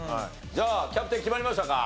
じゃあキャプテン決まりましたか？